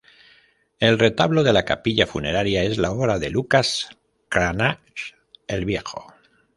El retablo de la capilla funeraria es la obra de Lucas Cranach el Viejo.